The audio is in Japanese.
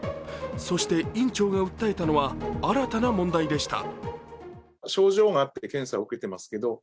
そして、院長が訴えたのは新たな問題でした。